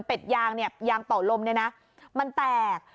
เป็ดยางยางเป่าลมนี่นะมันแตก